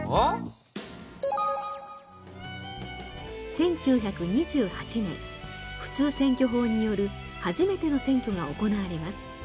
１９２８年普通選挙法による初めての選挙が行われます。